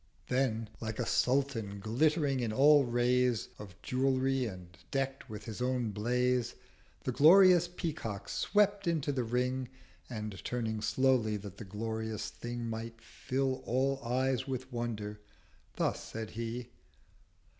Then like a Sultan glittering in all Rays Of Jewelry, and deckt with his own Blaze, 290 The glorious Peacock swept into the Ring: And, turning slowly that the glorious Thing Might fill all Eyes with wonder, thus said He.